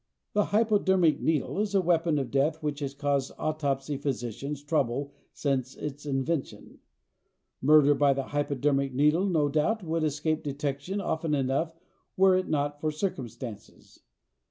The hypodermic needle is a weapon of death which has caused autopsy physicians trouble since its invention. Murder by the hypodermic needle, no doubt, would escape detection often enough were it not for circumstances.